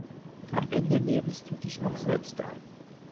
Am Ende nebelst du dich noch selbst ein.